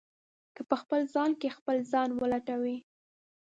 که په خپل ځان کې خپل ځان ولټوئ.